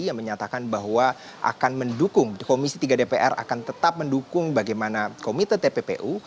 yang menyatakan bahwa akan mendukung komisi tiga dpr akan tetap mendukung bagaimana komite tppu